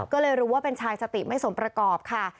ก็เลยรู้ว่าเป็นชายสติไม่สมประกอบค่ะ